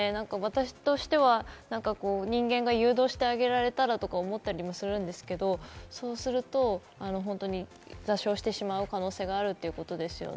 私としては人間が誘導してあげられたらとか思ったりもするんですけれど、そうすると座礁してしまう可能性があるということですよね。